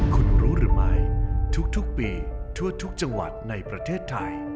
คุณรู้หรือไม่ทุกปีทั่วทุกจังหวัดในประเทศไทย